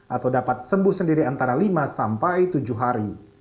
atau dapat sembuh sendiri antara lima sampai tujuh hari